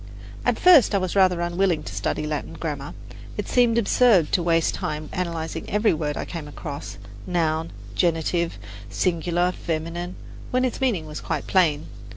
At first I was rather unwilling to study Latin grammar. It seemed absurd to waste time analyzing, every word I came across noun, genitive, singular, feminine when its meaning was quite plain.